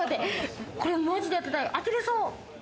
これはマジで当てたい、当てれそう。